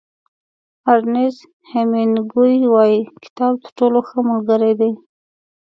ارنیست هېمېنګوی وایي کتاب تر ټولو ښه ملګری دی.